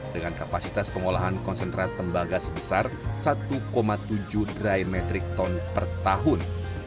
dengan kapasitas pengolahan konsentrat tembaga sebesar satu tujuh dry metric ton per tahun